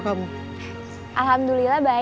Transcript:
kamu sudah nyuruh anak usando